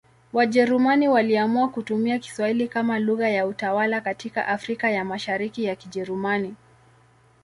Wajerumani waliamua kutumia Kiswahili kama lugha ya utawala katika Afrika ya Mashariki ya Kijerumani.